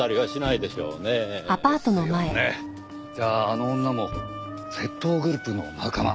じゃああの女も窃盗グループの仲間？